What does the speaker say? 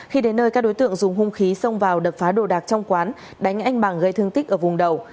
khi đến nơi các đối tượng dùng hung khí xông vào đập phá đồ đạc trong quán đánh anh bằng gây thương tích ở vùng đầu